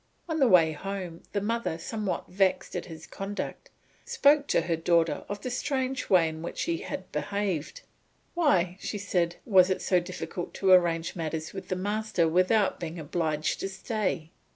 On the way home, the mother, somewhat vexed at his conduct, spoke to her daughter of the strange way in which he had behaved. "Why," said she, "was it so difficult to arrange matters with the master without being obliged to stay.